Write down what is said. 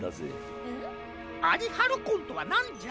アリハルコンとはなんじゃ？